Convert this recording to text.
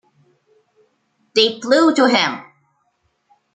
They flew to him.